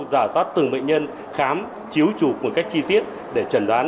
giả soát từng bệnh nhân khám chiếu trục một cách chi tiết để trần đoán